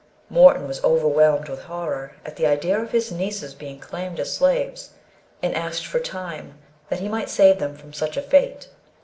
Morton was overwhelmed with horror at the idea of his nieces being claimed as slaves, and asked for time, that he might save them from such a fate.